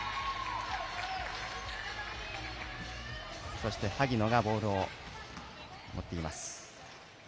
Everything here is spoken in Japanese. そして萩野がボールを持っています。